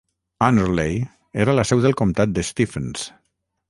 Annerley era la seu del comtat de Stephens.